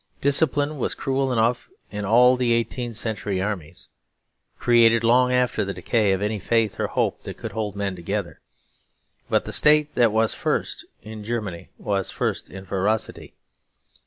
Discipline was cruel enough in all the eighteenth century armies, created long after the decay of any faith or hope that could hold men together. But the state that was first in Germany was first in ferocity.